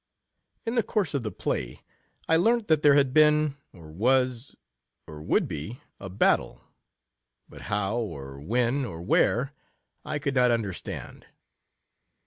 In the course of the play, I learnt that there had been, or was, or would be, a battle; but how, or when, or where, I could not un derstand.